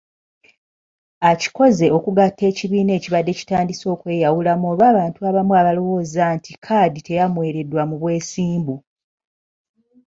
Akikoze okugatta ekibiina ekibadde kitandise okweyawulamu olw'abantu abamu balowooza nti kkaadi teyamuweereddwa mu bwesimbu.